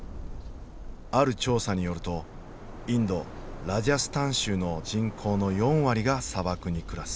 ある調査によるとインド・ラジャスタン州の人口の４割が砂漠に暮らす。